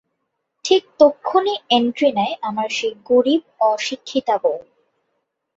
ঠিক তক্ষুণি এন্ট্রি নেয় আমার সেই গরীব অশিক্ষিতা বউ।